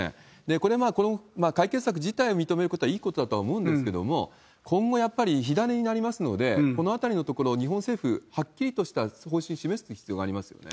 これ、解決策自体を認めることはいいことだと思うんですけれども、今後、やっぱり火種になりますので、このあたりのところ、日本政府、はっきりとした方針、示していく必要がありますよね。